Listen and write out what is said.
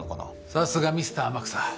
さすがミスター天草